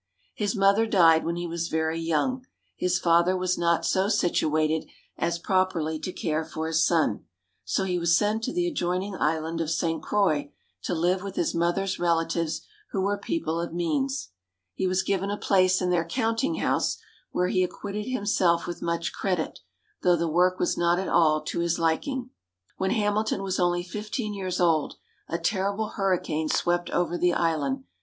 His mother died when he was very young. His father was not so situated as properly to care for his son, so he was sent to the adjoining island of St. Croix, to live with his mother's relatives, who were people of means. He was given a place in their counting house, where he acquitted himself with much credit, though the work was not at all to his liking. When Hamilton was only fifteen years old, a terrible hurricane swept over the island.